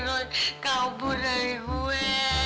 lo kabur dari gue